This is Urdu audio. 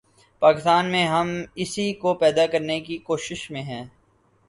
پاکستان میں ہم اسی کو پیدا کرنے کی کوشش میں رہے ہیں۔